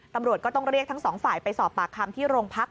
ตำรวจก็ต้องเรียกทั้งสองฝ่ายไปสอบปากคำที่โรงพัก